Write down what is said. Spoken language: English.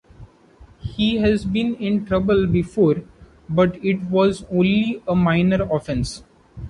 He has been in trouble before, but it was only a minor offense.